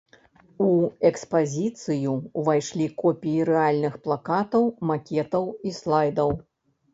У экспазіцыю ўвайшлі копіі рэальных плакатаў, макетаў і слайдаў.